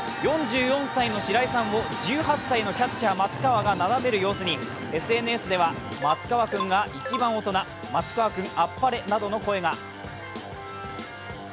４４歳の白井さんを１８歳のキャッチャー・松川がなだめる様子にＳＮＳでは松川君が一番大人、松川君アッパレなどの声が。